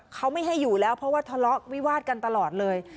เขาไม่ให้อยู่แล้วเพราะว่าทะเลาะวิวาดกันตลอดเลย